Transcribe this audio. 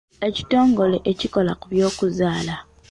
Ekitongole ekikola ku byokuzaala.